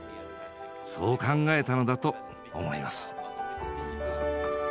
そう考えたのだと思います。